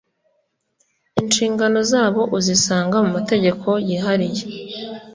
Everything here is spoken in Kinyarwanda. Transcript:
inshingano zabo uzisanga mu mategeko yihariye